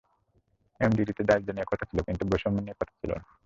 এমডিজিতে দারিদ্র্য নিয়ে কথা ছিল, কিন্তু বৈষম্য নিয়ে কথা ছিল না।